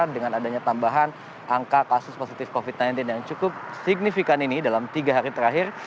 dengan adanya tambahan angka kasus positif covid sembilan belas yang cukup signifikan ini dalam tiga hari terakhir